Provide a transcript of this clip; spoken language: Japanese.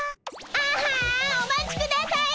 ああお待ちください